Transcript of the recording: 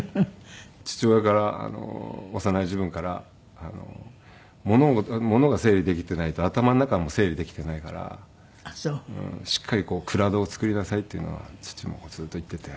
父親から幼い時分からものが整理できていないと頭の中も整理できていないからしっかり蔵戸を作りなさいっていうのは父もずっと言っていて。